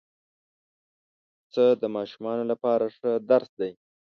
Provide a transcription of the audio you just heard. پسه د ماشومانو لپاره ښه درس دی.